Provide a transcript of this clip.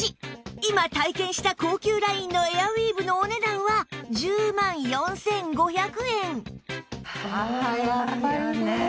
今体験した高級ラインのエアウィーヴのお値段は１０万４５００円